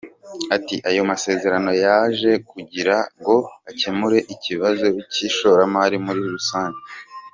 Ati “Ayo masezerano yaje kugira ngo akemure ikibazo cy’ishoramari muri rusange.